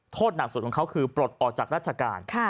หนักสุดของเขาคือปลดออกจากราชการ